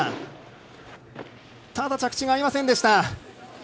ただ着地が合いませんでした。